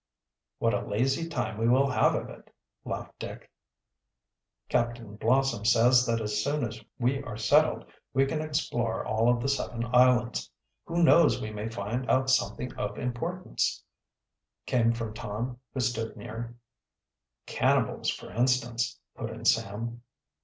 "What a lazy time we will have of it," laughed Dick. "Captain Blossom says that as soon as we are settled we can explore all of the seven islands. Who knows we may find out something of importance," came from Tom, who stood near. "Cannibals, for instance," put in Sam.